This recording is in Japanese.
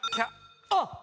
あっ！